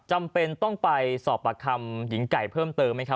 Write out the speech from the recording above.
จำเป็นต้องไปสอบปัดคำหญิงไก่เติมต้องไปยิงไก่เพิ่มเติมไหมครับ